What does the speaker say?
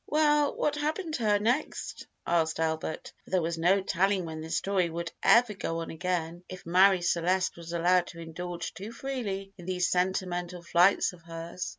"Well, what happened to her next?" asked Albert, for there was no telling when the story would ever go on again, if Marie Celeste was allowed to indulge too freely in these sentimental flights of hers.